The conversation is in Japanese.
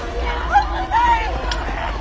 危ない！